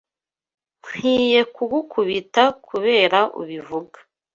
Nkwiye kugukubita kubera kubivuga.